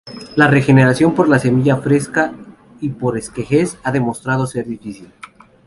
La regeneración por la semilla fresca y por esquejes ha demostrado ser difícil.